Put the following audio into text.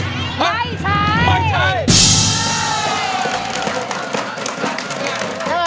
เหรอไม่ใช้